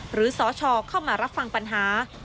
สชเข้ามารับฟังปัญหา